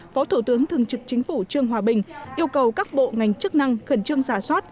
phó thủ tướng thường trực chính phủ trương hòa bình yêu cầu các bộ ngành chức năng khẩn trương giả soát